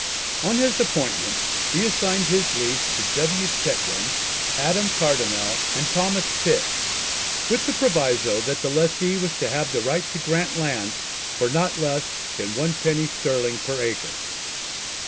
On his appointment he assigned his lease to W. Chetwynd, Adam Cardonnel, and Thomas Pitt, with the proviso that the lessee was to have the right to grant lands "for not less than 1_d._ sterling per acre."